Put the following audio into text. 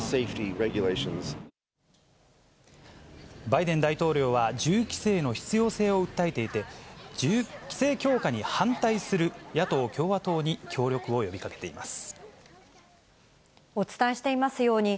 バイデン大統領は、銃規制の必要性を訴えていて、規制強化に反対する野党・共和党に協力を呼びかけています。